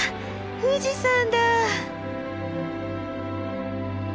富士山だ！